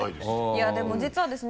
いやでも実はですね